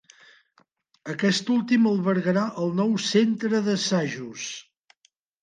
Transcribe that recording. Aquest últim albergarà el nou centre d'assajos.